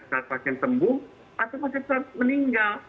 saat pasien sembuh atau pasien saat meninggal